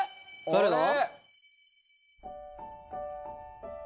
誰だ？